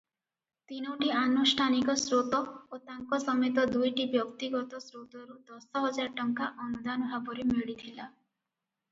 ତିନୋଟି ଆନୁଷ୍ଠାନିକ ସ୍ରୋତ ଓ ତାଙ୍କ ସମେତ ଦୁଇଟି ବ୍ୟକ୍ତିଗତ ସ୍ରୋତରୁ ଦଶହଜାର ଟଙ୍କା ଅନୁଦାନ ଭାବରେ ମିଳିଥିଲା ।